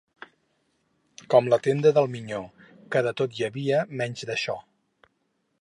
Com la tenda del Minyó, que de tot hi havia menys d'això.